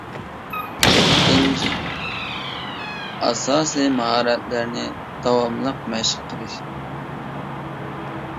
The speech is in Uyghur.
يەتتىنچى، ئاساسىي ماھارەتلەرنى داۋاملىق مەشىق قىلىش.